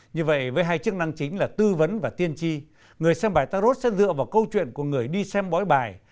như vậy với hai chức năng chính là tư vấn và tiên tri người xem bài tarot sẽ dựa vào câu chuyện của người đi xem bói bài